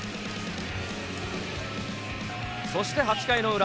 そして８回の裏。